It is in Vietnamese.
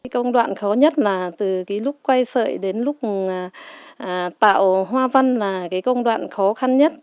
công đoạn khó nhất là từ lúc quay sợi đến lúc tạo hoa văn là công đoạn khó khăn nhất